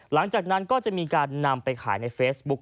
หลังจากนั้นก็จะมีการนำไปขายในเฟซบุ๊ค